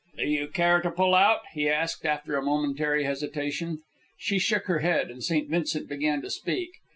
"Do you care to pull out?" he asked after a momentary hesitation. She shook her head, and St. Vincent began to speak.